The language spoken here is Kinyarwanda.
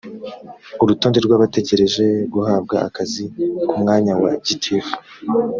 urutonde rw’abategereje guhabwa akazi ku mwanya wa gitifu